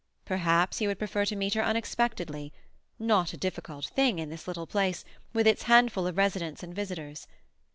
Perhaps he would prefer to meet her unexpectedly—not a difficult thing in this little place, with its handful of residents and visitors.